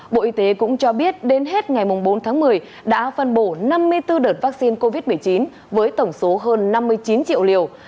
bộ y tế cũng cho biết đến hết ngày bốn tháng một mươi đã phân bổ năm mươi bốn đợt vaccine covid một mươi chín với tổng số hơn năm mươi chín triệu liều